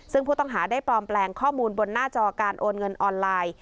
ซึ่งผู้ต้องหาได้ปลอมแปลงข้อมูลบนหน้าจอการโอนเงินออนไลน์